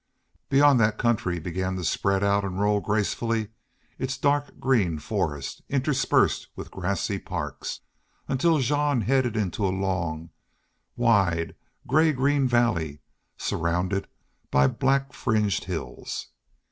Beyond that the country began to spread out and roll gracefully, its dark green forest interspersed with grassy parks, until Jean headed into a long, wide gray green valley surrounded by black fringed hills.